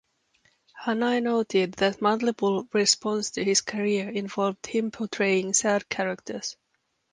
Hanae noted that multiple response to his career involved him portraying sad characters.